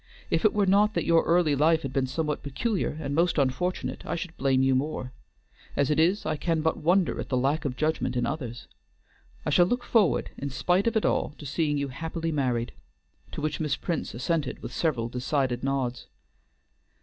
If it were not that your early life had been somewhat peculiar and most unfortunate, I should blame you more; as it is, I can but wonder at the lack of judgment in others. I shall look forward in spite of it all to seeing you happily married." To which Miss Prince assented with several decided nods.